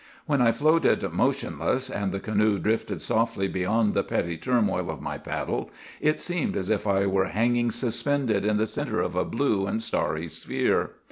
When I floated motionless, and the canoe drifted softly beyond the petty turmoil of my paddle, it seemed as if I were hanging suspended in the centre of a blue and starry sphere.